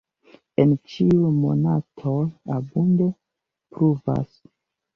En ĉiuj monatoj abunde pluvas.